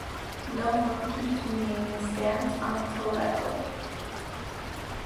No monkeys remain extant on Tobago.